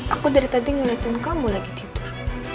aku dari tadi ngeliatin kamu lagi tidur